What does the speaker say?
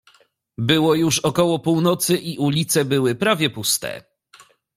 "Było już około północy i ulice były prawie puste."